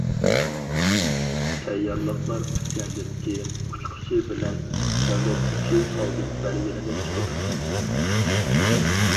تەييارلىقلار پۈتكەندىن كېيىن، ئۇچقۇچى بىلەن تەۋرەتكۈچى ئالدىن بەلگىلىنىپ چىقىدۇ.